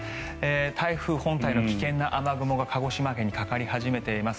台風本体の危険な雨雲が鹿児島県にかかり始めています。